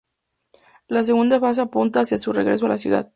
La segunda fase apunta hacia su regreso a la ciudad.